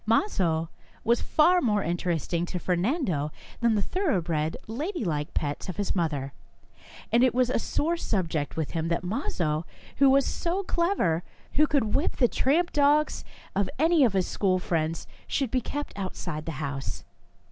Mazo was far more interesting to Fernando than the thoroughbred, ladylike pets of his mother, and it was a sore subject with him that Mazo, who was so clever, who could whip the tramp dogs of any of his school friends, should be kept outside the house.